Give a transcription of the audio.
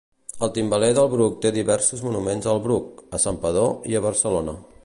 El timbaler del Bruc té diversos monuments al Bruc, a Santpedor i a Barcelona.